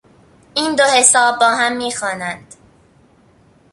این دو حساب با هم میخوانند.